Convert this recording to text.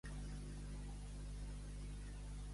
Visqui vostè molts anys.